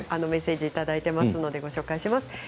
メッセージをいただいていますので、ご紹介します。